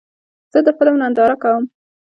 زه د فلم ننداره کوم.